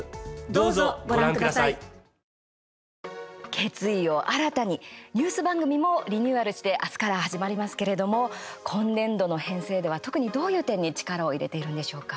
決意を新たにニュース番組もリニューアルして明日から始まりますけれども今年度の編成では特に、どういう点に力を入れているんでしょうか？